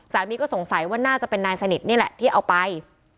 ก็สงสัยว่าน่าจะเป็นนายสนิทนี่แหละที่เอาไป